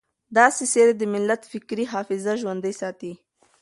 داسې څېرې د ملت فکري حافظه ژوندۍ ساتي.